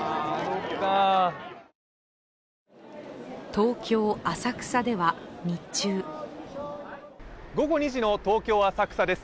東京・浅草では、日中午後２時の東京・浅草です。